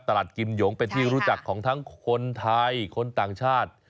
กิมหยงเป็นที่รู้จักของทั้งคนไทยคนต่างชาติ